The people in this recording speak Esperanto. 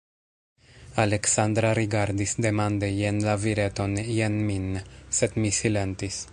Aleksandra rigardis demande jen la vireton, jen min, sed mi silentis.